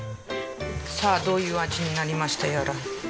さあどういう味になりましたやら。